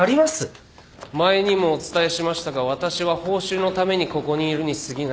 前にもお伝えしましたが私は報酬のためにここにいるにすぎない。